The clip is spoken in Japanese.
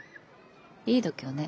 いい度胸ね。